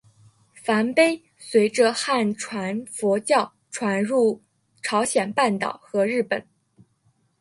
梵呗随着汉传佛教传入朝鲜半岛和日本。